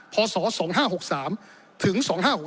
พศ๒๕๖๓ถึง๒๕๖๖